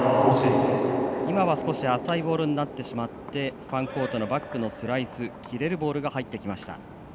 今は少し浅いボールになってしまってファンコートのバックのスライス切れるボールが入りました。